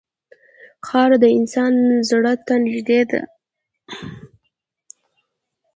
خاوره د انسان زړه ته نږدې ده.